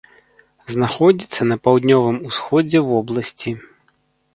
Знаходзіцца на паўднёвым усходзе вобласці.